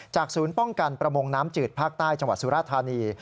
ศูนย์ป้องกันประมงน้ำจืดภาคใต้จังหวัดสุราธานี